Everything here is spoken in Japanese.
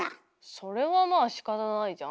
それはまあしかたないじゃんっていう。